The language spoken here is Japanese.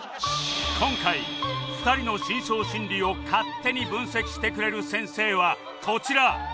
今回２人の深層心理を勝手に分析してくれる先生はこちら